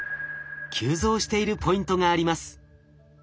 急増しているポイントがあります。